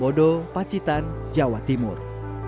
bodo pacitan jawa timur